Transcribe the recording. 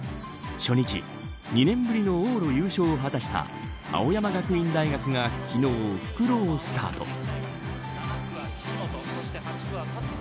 初日、２年ぶりの往路優勝を果たした青山学院大学が昨日復路をスタート。